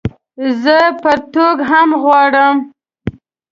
زه پرتوګ هم غواړم